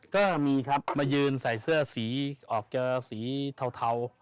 ก็มีครับมายืนใส่เสื้อสีออกเจอสีเทา